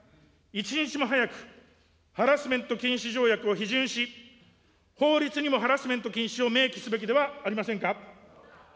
一日も早くハラスメント禁止条約を批准し、法律にもハラスメント禁止を明記すべきではありませんか。